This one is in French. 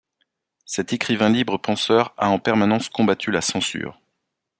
Cet écrivain libre penseur a en permanence combattu la censure.